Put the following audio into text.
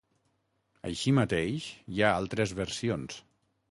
Així mateix, hi ha altres versions.